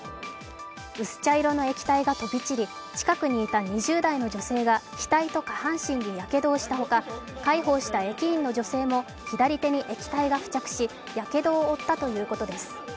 薄茶色の液体が飛び散り、近くにいた２０代の女性が額と下半身にやけどをしたほか、介抱した駅員の女性も左手に液体が付着しやけどを負ったということです。